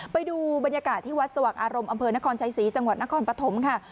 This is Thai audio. ไปดูบรรยากาศที่วัดสว่างอารมณ์อำเภอนครชัยศรีจังหวัดนครปฐมค่ะ